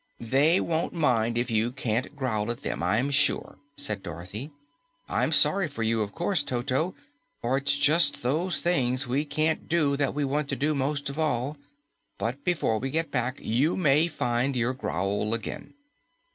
"They won't mind if you can't growl at them, I'm sure," said Dorothy. "I'm sorry for you, of course, Toto, for it's just those things we can't do that we want to do most of all; but before we get back, you may find your growl again."